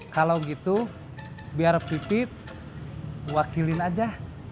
kalau gitu biar pipit wakilin aja